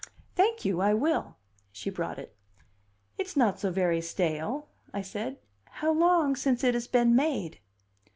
"Thank you, I will." She brought it. "It's not so very stale," I said. "How long since it has been made?"